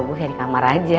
gue kayak di kamar aja